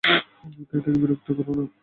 এই তাকে বিরক্ত করো না।